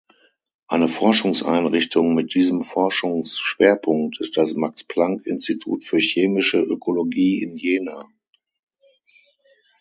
Eine Forschungseinrichtung mit diesem Forschungsschwerpunkt ist das Max-Planck-Institut für chemische Ökologie in Jena.